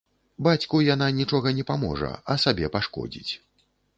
Бацьку яна нічога не паможа, а сабе пашкодзіць.